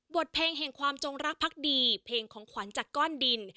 เพลงแห่งความจงรักพักดีเพลงของขวัญจากก้อนดิน